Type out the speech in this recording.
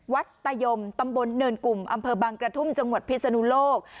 ตายมตำบลเนินกลุ่มอำเภอบังกระทุ่มจังหวัดพิศนุโลก